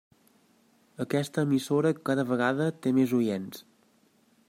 Aquesta emissora cada vegada té més oients.